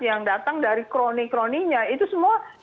yang datang dari kroni kroninya itu semua